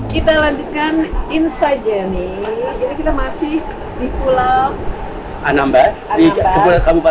kita lanjutkan insajeni kita masih di pulau anambas di kabupaten anambas masih di pulau